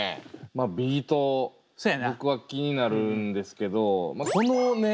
まあビート僕は気になるんですけどそのね